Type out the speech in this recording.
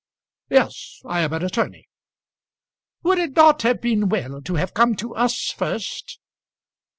"Yes; I am an attorney." "Would it not have been well to have come to us first?"